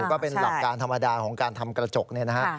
ก็เป็นหลักการธรรมดาของการทำกระจกเนี่ยนะฮะ